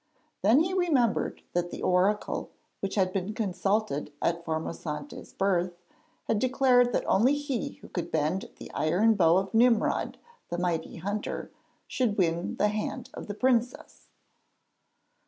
Then he remembered that the oracle which had been consulted at Formosante's birth had declared that only he who could bend the iron bow of Nimrod, the mighty hunter, should win the hand of the princess.